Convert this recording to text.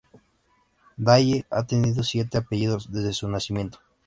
Dalle ha tenido siete apellidos desde su nacimiento.